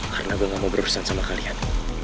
karena gue gak mau berurusan sama kalian